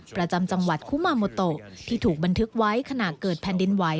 ประจำจังหวัดคุมาโมโตที่ถูกบันทึกไว้ขณะเกิดแผ่นดินไหว